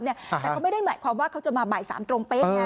แต่ก็ไม่ได้หมายความว่าเขาจะมาบ่าย๓ตรงเป๊ะนะ